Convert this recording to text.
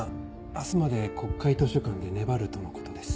明日まで国会図書館で粘るとのことです。